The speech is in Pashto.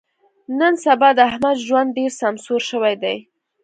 نن سبا د احمد ژوند ډېر سمسور شوی دی.